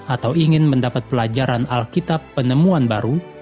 atau ingin mendapat pelajaran alkitab penemuan baru